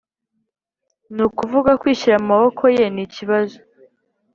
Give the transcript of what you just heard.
ni ukuvuga kwishyira mu maboko ye nikibazo